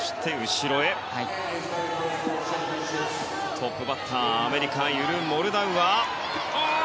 トップバッターアメリカ、ユル・モルダウアー。